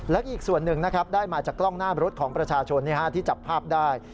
และอีกส่วนหนึ่งนะครับได้มาจากกล้องหน้ารถของประชาชนที่จับภาพได้